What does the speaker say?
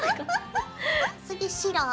次白。